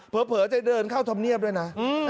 เผลอจะเดินเข้าธรรมเนียบด้วยนะ